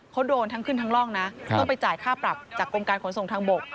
เขาโดนทั้งขึ้นทั้งร่องนะต้องไปจ่ายค่าปรับจากกรมการขนส่งทางบก